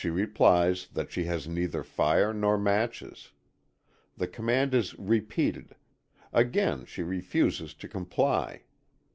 She replies that she has neither fire nor matches. The command is repeated; again she refuses to comply.